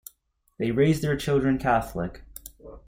They raised their children Catholic.